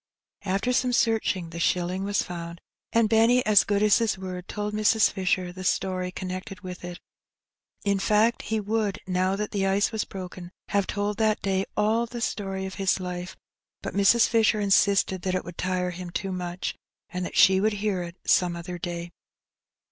After some searching the shilling was found, and Benny, as good as his word, told Mrs. Fisher the story connected with it. In fact, he would, now that the ice was broken, have told that day all the story of his life, but Mrs. Fisher insisted that it would tire him too much, and that she would hear it some other day.